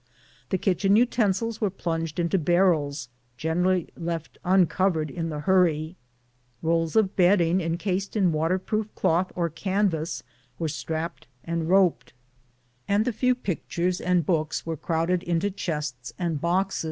The kitchen utensils were plunged into bar rels, generally left uncovered in the hurry; rolls of bedding encased in waterproof cloth or canvas were strapped and roped, and the few pictures and books were crowded into chests and boxes.